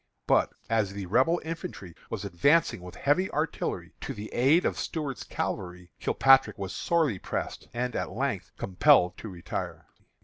But, as the Rebel infantry was advancing with heavy artillery to the aid of Stuart's cavalry, Kilpatrick was sorely pressed, and, at length, compelled to retire.